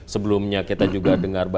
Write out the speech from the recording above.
sebelumnya kita juga dengar